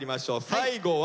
最後はお！